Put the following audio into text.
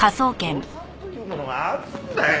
予算というものがあるんだよ。